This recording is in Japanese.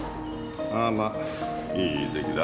ああまあいい出来だ。